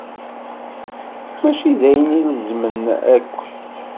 Mačči d ayen ilezmen akk.